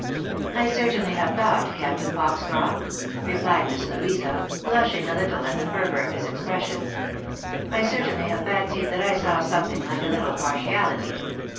"I certainly have thought, Captain Foxcroft," replied Miss Louisa, blushing a little at the fervour of his expressions, " I certainly have fancied that I saw something hke a Uttle par tiality."